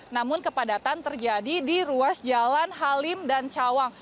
namun kepadatan terjadi di ruas jalan halim dan cawang